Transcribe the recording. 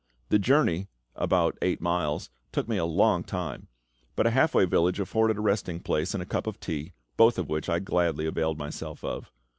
The journey about eight miles took me a long time; but a halfway village afforded a resting place and a cup of tea, both of which I gladly availed myself of.